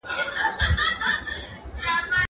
سبزېجات د مور له خوا جمع کيږي.